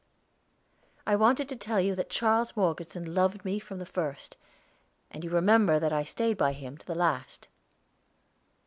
"I wanted to tell you that Charles Morgeson loved me from the first, and you remember that I stayed by him to the last."